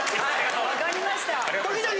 わかりました。